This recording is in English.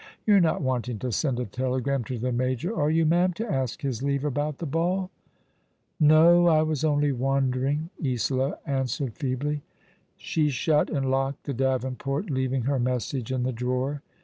You're not wanting to send a telegram to the major, are you, ma'am, to ask his leavG about the ball?" " No ; I was only wondering," Isola answered feebly. She shut and locked the davenport, leaving her message in the drawer.